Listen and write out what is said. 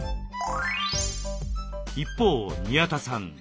一方宮田さん